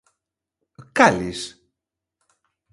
Cales?